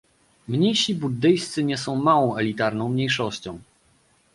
Mnisi buddyjscy nie są małą elitarną mniejszością